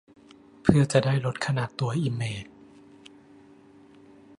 เพื่อจะได้ลดขนาดตัวอิมเมจ